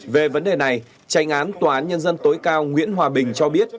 về vấn đề này tranh án tòa án nhân dân tối cao nguyễn hòa bình cho biết